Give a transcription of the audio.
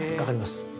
分かります。